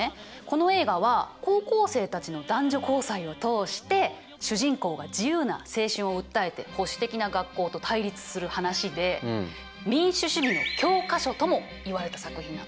この映画は高校生たちの男女交際を通して主人公が自由な青春を訴えて保守的な学校と対立する話で民主主義の教科書ともいわれた作品なの。